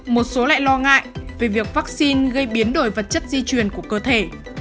một số lại lo ngại về việc vắc xin gây biến đổi vật chất di truyền của cơ thể